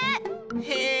へえ！